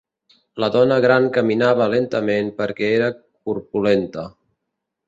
La dona gran caminava lentament perquè era corpulenta.